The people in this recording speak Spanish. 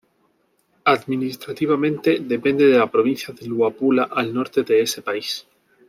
Administrativamente depende de la Provincia de Luapula al norte de ese país.